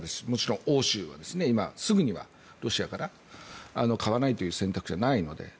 もちろん欧州は今すぐにはロシアから買わないという選択肢はないので。